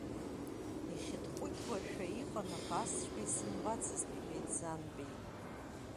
Ихьыҭҟәиҭуашәа иҟан, аха асҵәҟьа исымбацызт, — иҳәеит Занбеи.